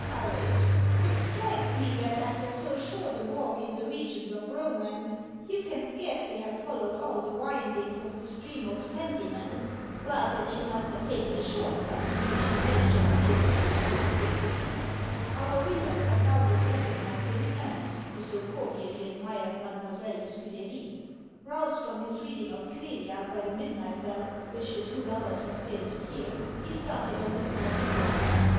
Courage ! It strikes me that after so short a walk in the regions of Komance you can scarcely have followed all the windings of the stream of Sentiment, but that you must have taken a short cut to reach the village of Kisses so quickly." Our readers have doubtless recognized the lieutenant, who so cordially admired Mademoiselle de Scude'ry. Roused from his reading of " Clelia " by the midnight bell, which the two lovers had failed to hear, he started on his nightly rounds.